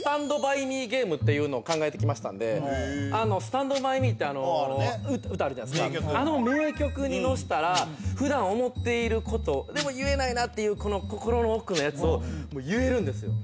ゲームなの？っていうのを考えてきましたんで「ＳｔａｎｄＢｙＭｅ」って歌あるじゃないですかあの名曲にのせたら普段思っていることでも言えないなっていうこの心の奥のやつを言えるんですよ